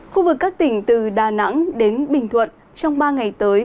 khu vực các tỉnh từ đà nẵng đến bình thuận trong ba ngày tới